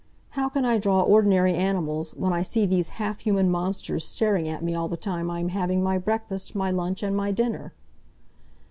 "How can I draw ordinary animals when I see these half human monsters staring at me all the time I am having my breakfast, my lunch, and my dinner?"